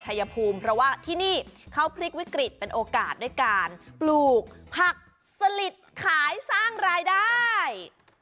ชายภูมิเพราะว่าที่นี่เขาพลิกวิกฤตเป็นโอกาสด้วยการปลูกผักสลิดขายสร้างรายได้